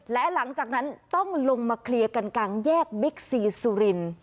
และหลังจากนั้นต้องลงมาเคลียร์กันกลางแยกบิ๊กซีสุริน